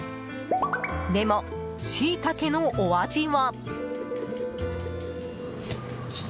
でもシイタケのお味は。